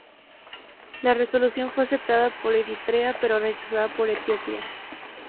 La resolución fue aceptada por Eritrea, pero rechazada por Etiopía.